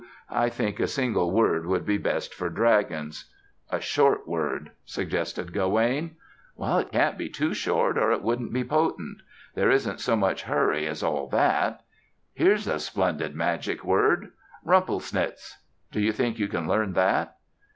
I think a single word would be best for dragons." "A short word," suggested Gawaine. "It can't be too short or it wouldn't be potent. There isn't so much hurry as all that. Here's a splendid magic word: 'Rumplesnitz.' Do you think you can learn that?"